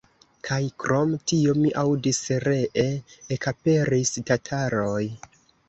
Kaj krom tio, mi aŭdis, ree ekaperis tataroj.